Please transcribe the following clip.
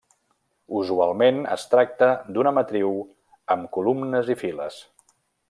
Usualment es tracta d'una matriu amb columnes i files.